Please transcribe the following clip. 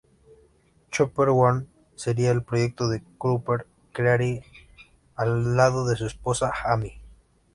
Chopper One, sería el proyecto que Cropper crearía al lado de su esposa Amy.